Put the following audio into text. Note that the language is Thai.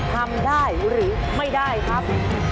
ทำได้หรือไม่ได้ครับ